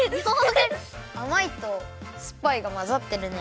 あまいとすっぱいがまざってるね。